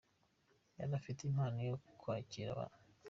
Yari afite impano yo kwakira abantu.”